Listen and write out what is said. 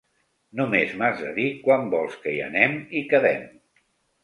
Només m'has de dir quan vols que hi anem i quedem.